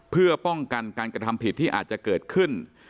เพื่อป้องกันการกระทำผิดที่อาจจะเกิดขึ้น